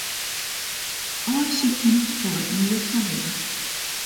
Aaisykjen wol ik neat fan witte.